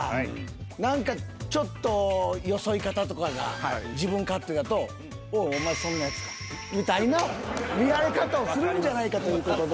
何かちょっとよそい方とかが自分勝手だと「おい」みたいな見られ方をするんじゃないかという事で。